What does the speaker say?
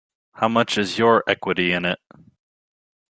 How much is your equity in it?